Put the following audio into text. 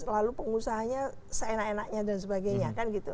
lalu pengusahanya seenak enaknya dan sebagainya